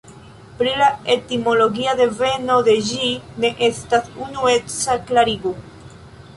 Pri la etimologia deveno de ĝi ne estas unueca klarigo.